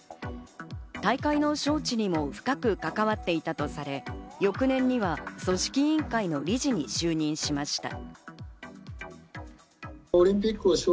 大会の招致にも深く関わっていたとされ、翌年には組織委員会の理事に就任しました。